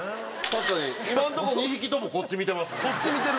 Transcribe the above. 確かに今のとこ２匹ともこっち見てます。